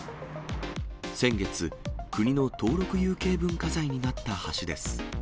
先月、国の登録有形文化財になった橋です。